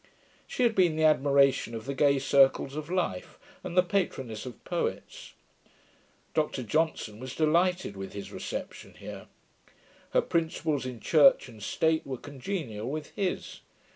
She had been the admiration of the gay circles of life, and the patroness of poets. Dr Johnson was delighted with his reception here. Her principles in Church and state were congenial with his.